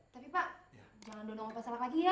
tapi pak jangan donong apa apa salah lagi ya